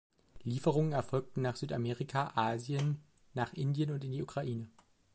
Lieferungen erfolgten nach Südamerika, Asien, nach Indien und in die Ukraine.